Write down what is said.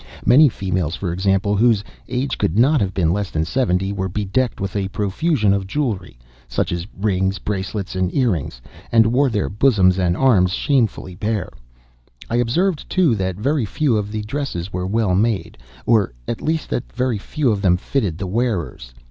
Many females, for example, whose age could not have been less than seventy were bedecked with a profusion of jewelry, such as rings, bracelets, and earrings, and wore their bosoms and arms shamefully bare. I observed, too, that very few of the dresses were well made—or, at least, that very few of them fitted the wearers.